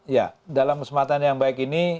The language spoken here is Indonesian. ya dalam kesempatan yang baik ini